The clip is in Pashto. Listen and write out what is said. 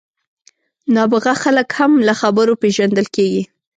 نابغه خلک هم له خبرو پېژندل کېږي.